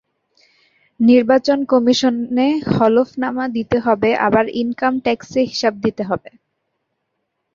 নির্বাচন কমিশনে হলফনামা দিতে হবে আবার ইনকাম ট্যাক্সে হিসাব দিতে হবে।